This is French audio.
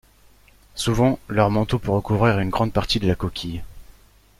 Souvent, leur manteau peut recouvrir une grande partie de la coquille.